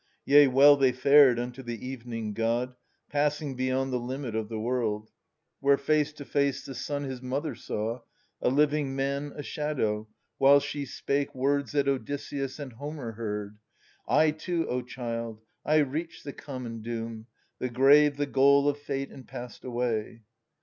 Yea, well they fared unto the evening god. Passing beyond the limit of the world. Where face to face the son his mother saw, A living man a shadow, while she spake Words that Odysseus and that Homer heard,— / too, O child, I reached the common doom, The grave, the goal of fate, attd passed away.